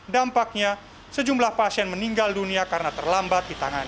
dampaknya sejumlah pasien meninggal dunia karena terlambat ditangani